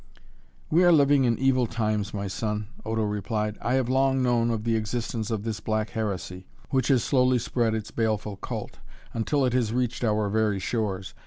"We are living in evil times, my son," Odo replied. "I have long known of the existence of this black heresy, which has slowly spread its baleful cult, until it has reached our very shores.